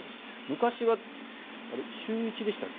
昔は週１でしたっけ？